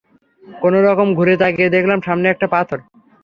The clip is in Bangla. কোনো রকম ঘুরে তাকিয়ে দেখলাম সামনে একটা পাথর।